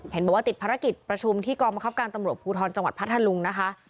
เห็นบอกว่าติดภารกิจประชุมที่กองบังคับการตำรวจภูทรจังหวัดพัทธลุงนะคะ